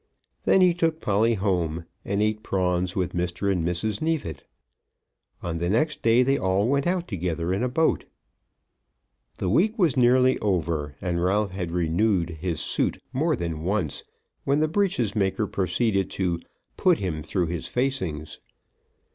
Then he took Polly home, and eat prawns with Mr. and Mrs. Neefit. On the next day they all went out together in a boat. The week was nearly over, and Ralph had renewed his suit more than once, when the breeches maker proceeded to "put him through his facings."